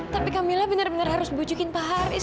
tapi kak mila benar benar harus bujukin pak haris